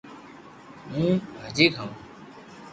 ھون ڀاجي کاوُ